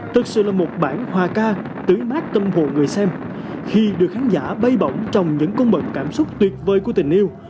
thực sự là một bản hòa ca tưới mát tâm hồn người xem khi được khán giả bay bỏng trong những công bận cảm xúc tuyệt vời của tình yêu